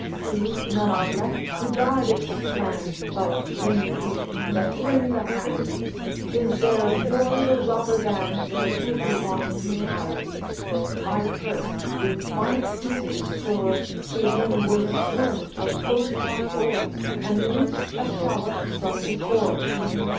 See! none are left to guard its strand But women weak, that wring the hand: 'Tis there of yore the robber band Their booty wont to pile; My purse, with bonnet pieces store, To him will swim a bow shot o'er, And loose a shallop from the shore.